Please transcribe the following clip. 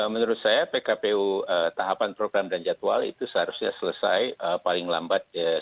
menurut saya pkpu tahapan program dan jadwal itu seharusnya selesai paling lambat